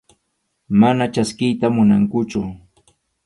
Mana chaskiyta munankuchu.